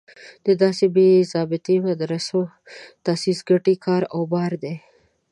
د داسې بې ضابطې مدرسو تاسیس ګټې کار و بار دی.